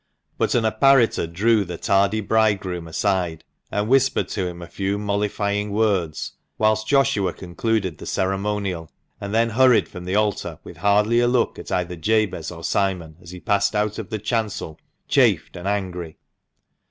But an apparitor drew the tardy bridegroom aside, and whispered to him a few mollifying words, whilst Joshua concluded the ceremonial, and then hurried from the altar with hardly a look at either Jabez or Simon as he passed out of the chancel, chafed and angry.